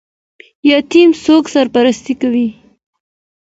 یتیم څوک سرپرستي کوي؟